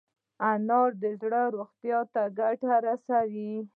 انار د زړه روغتیا ته ګټه رسوي.